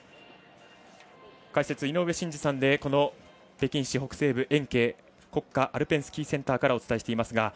解説、井上真司さんでこの北京市北西部、延慶国家アルペンスキーセンターからお伝えしてきました。